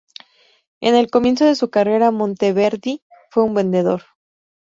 En el comienzo de su carrera, Monteverdi fue un vendedor.